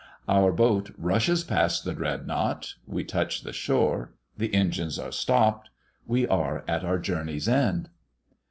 Our boat rushes past the "Dreadnought" we touch the shore the engines are stopped we are at our journey's end.